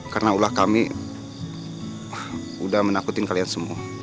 karena ulah kami udah menakutin kalian semua